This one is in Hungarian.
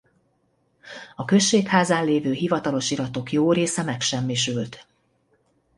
A községházán lévő hivatalos iratok jórésze megsemmisült.